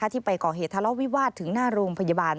ที่ไปก่อเหตุทะเลาะวิวาสถึงหน้าโรงพยาบาล